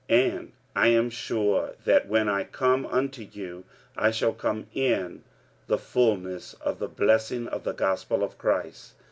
45:015:029 And I am sure that, when I come unto you, I shall come in the fulness of the blessing of the gospel of Christ.